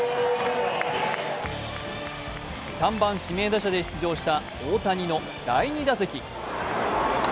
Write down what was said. ３番・指名打者で出場した大谷の第２打席。